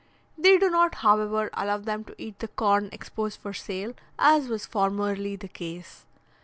They do not, however, allow them to eat the corn exposed for sale, as was formerly the case.